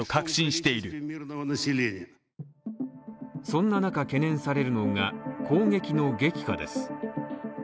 そんな中、懸念されるのが、攻撃の激化です。